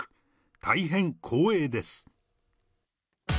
大変光栄です！